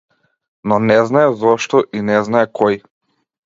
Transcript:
Но не знае зошто, и не знае кој.